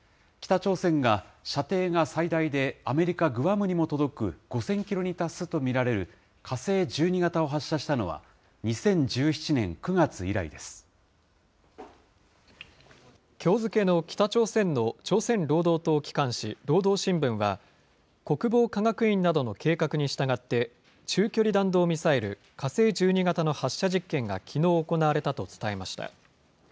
北朝鮮が射程が最大でアメリカ・グアムにも届く５０００キロに達すると見られる火星１２型を発射したのは、２０１７年９月以来できょう付けの北朝鮮の朝鮮労働党機関紙、労働新聞は、国防科学院などの計画に従って、中距離弾道ミサイル火星１２型の発射実験がきのう行われたと伝えました。